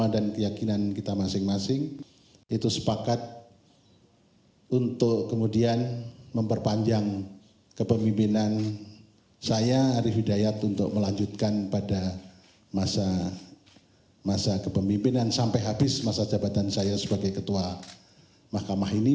dan saya arif hidayat untuk melanjutkan pada masa kepemimpinan sampai habis masa jabatan saya sebagai ketua mahkamah ini